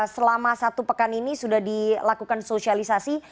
selama satu pekan ini sudah dilakukan sosialisasi